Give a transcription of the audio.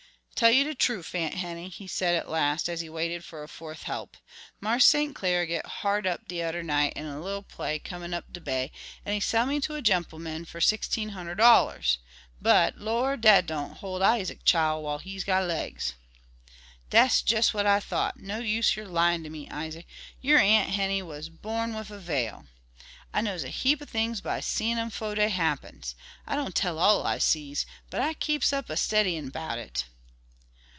"Tell you de troof, Aunt Henny," he said at last, as he waited for a fourth help, "Marse St. Clar git hard up de oder night in a little play comin' up de bay, an' he sell me to a gempleman fer sixteen hundred dollars. But, Lor', dat don' hol' Isaac, chile, while he's got legs." "Dat's jes' what I thought. No use yer lyin' ter me, Isaac, yer Aunt Henny was born wif a veil. I knows a heap o' things by seein' 'em fo' dey happens. I don' tell all I sees, but I keeps up a steddyin' 'bout it."